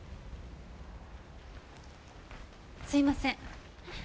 すいません。